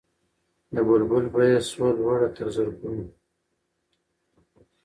د بلبل بیه سوه لوړه تر زرګونو